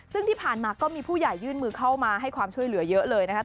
ซึ่งที่ผ่านมาก็มีผู้ใหญ่ยื่นมือเข้ามาให้ความช่วยเหลือเยอะเลยนะครับ